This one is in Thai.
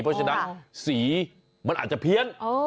เพราะฉะนั้นสีมันอาจจะเพี้ยน